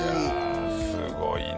すごいね。